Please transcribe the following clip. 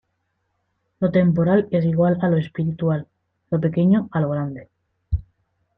Lo temporal es igual a lo espiritual, lo pequeño a lo grande.